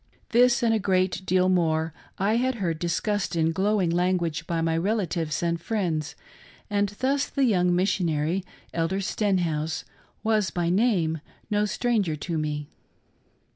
This, and a great deal more, I had heard discussed in glow ing language by my relatives and friends ; and thus the young missionary — Elder Stenhouse — was, by name, no stranger to me.